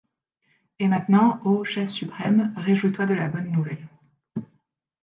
Et maintenant, Ô chef suprême, réjouis-toi de la bonne nouvelle.